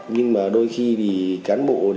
nhưng mà đôi khi cán bộ